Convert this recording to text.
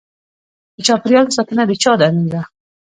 د چاپیریال ساتنه د چا دنده ده؟